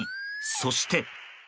そして。